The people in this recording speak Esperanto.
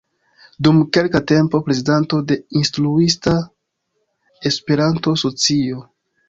Dum kelka tempo prezidanto de Instruista Esperanto-Socio.